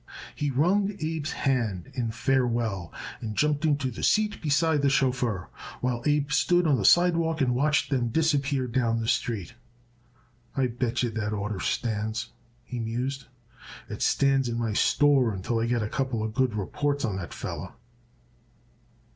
He wrung Abe's hand in farewell and jumped into the seat beside the chauffeur while Abe stood on the sidewalk and watched them disappear down the street. "I bet yer that order stands," he mused. "It stands in my store until I get a couple of good reports on that feller."